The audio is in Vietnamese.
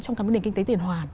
trong các nền kinh tế tiền hoàn